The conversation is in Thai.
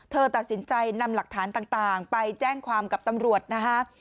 เธอตัดสินใจนำหลักฐานต่างไปแจ้งความกับตำรวจนะคะ